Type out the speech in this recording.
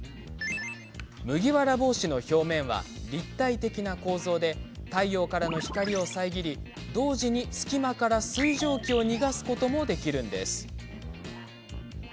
麦わら帽子の表面は立体的な構造で太陽からの光を遮り同時に隙間から水蒸気を逃がすことができます。